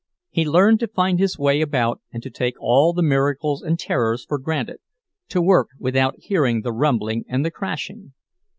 He learned to find his way about and to take all the miracles and terrors for granted, to work without hearing the rumbling and crashing.